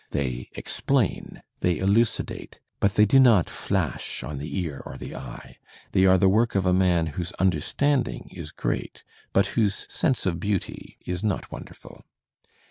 They explain, they elucidate, but they do not flash on the ear or the eye; they are the work of a man whose understanding is great, but whose sense of beauty is not wonderful.